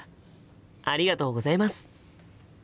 ありがとうございます。